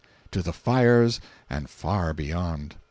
—to the fires and far beyond!